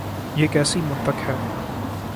یہ کیسی منطق ہے؟